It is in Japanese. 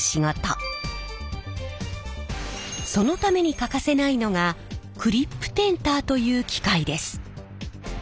そのために欠かせないのがクリップテンターという機械です。